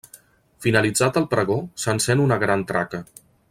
Finalitzat el pregó s'encén una gran traca.